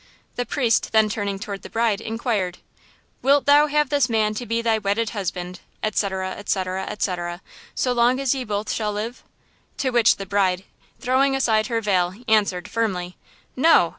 The priest then turning toward the bride, inquired: "Wilt thou have this man to be thy wedded husband," etc., etc., etc., "so long as ye both shall live?" To which the bride, throwing aside her veil, answered, firmly: "No!